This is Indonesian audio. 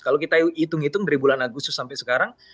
kalau kita hitung hitung dari bulan agustus sampai sekarang